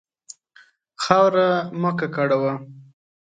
خاوره مه ککړوه.